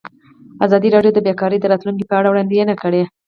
ازادي راډیو د بیکاري د راتلونکې په اړه وړاندوینې کړې.